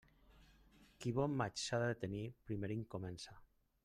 Qui bon maig ha de tenir, primerenc comença.